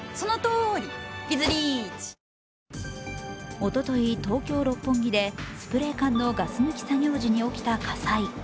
おととい、東京・六本木でスプレー缶のガス抜き作業時に起きた火災。